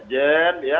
jadi tidak ada perbedaan